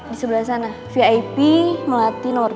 di sebelah sana vip melati nomor dua